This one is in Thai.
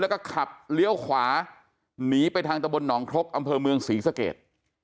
แล้วก็ขับเลี้ยวขวาหนีไปทางตะบนหนองครกอำเภอเมืองศรีสเกต